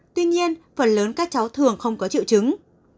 tuy nhiên phần lớn các cháu thường không có triệu chứng